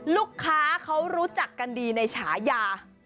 ลูกค้าเขารู้จักกันดีในฉายา